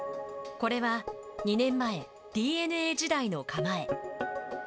これは２年前、ＤｅＮＡ時代の構え。